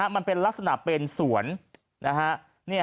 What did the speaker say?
มันเป็นลักษณะเป็นสวนนะฮะ